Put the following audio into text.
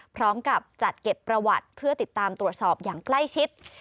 พร้อมกับจัดเก็บประวัติเพื่อติดตามตรวจสอบอย่างใกล้ชิด